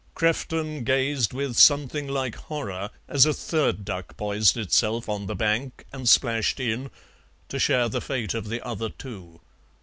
Crefton gazed with something like horror as a third duck poised itself on the bank and splashed in, to share the fate of the other two.